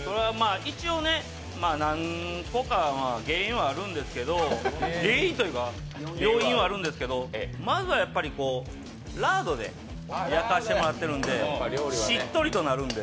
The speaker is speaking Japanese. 一応、何個か原因はあるんですけど、原因というか、要因はあるんですけどまずはラードで焼かせてもらっているので、しっとりとなるんで。